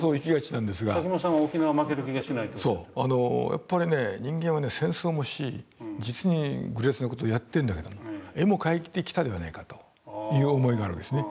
やっぱりね人間は戦争もし実に愚劣な事をやってんだけども絵も描いてきたではないかという思いがあるわけですね。